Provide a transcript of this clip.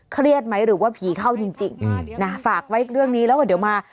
เครียดไหมหรือว่าผีเข้าจริงนะฝากไว้เรื่องนี้แล้วก็เดี๋ยวมา